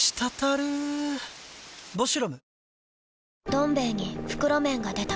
「どん兵衛」に袋麺が出た